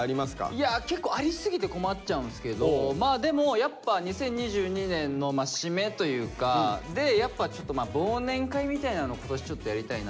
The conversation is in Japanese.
いや結構ありすぎて困っちゃうんですけどまあでもやっぱ２０２２年の締めというかでやっぱちょっとこの何年かやってないからね。